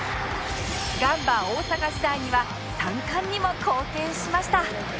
ガンバ大阪時代には３冠にも貢献しました